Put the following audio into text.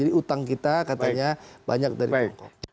jadi utang kita katanya banyak dari tiongkok